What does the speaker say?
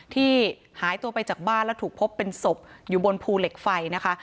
ที่หายตัวไปจากบ้านแล้วถูกพบเป็นศพอยู่บนภูเหล็กไฟนะคะ